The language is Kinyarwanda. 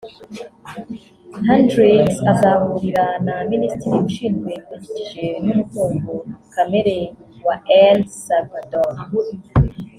Hendricks azahahurira na Minisitiri Ushinzwe Ibidukikije n’Umutungo Kamere wa El Salvador